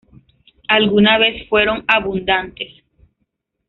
Alguna vez fueron abundantes.